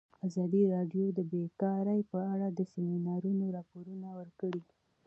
ازادي راډیو د بیکاري په اړه د سیمینارونو راپورونه ورکړي.